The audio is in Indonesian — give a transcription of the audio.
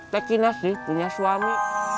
teh kinasih punya suami